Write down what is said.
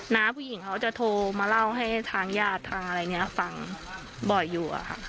น้าผู้หญิงเขาจะโทรมาเล่าให้ทางญาติทางอะไรเนี่ยฟังบ่อยอยู่อะค่ะ